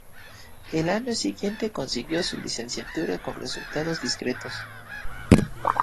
El año siguiente consiguió su licenciatura con resultados discretos.